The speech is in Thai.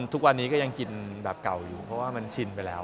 ทุกวันนี้ก็ยังกินแบบเก่าอยู่เพราะว่ามันชินไปแล้ว